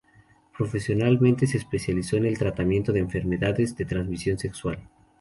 Profesionalmente se especializó en el tratamiento de enfermedades de transmisión sexual.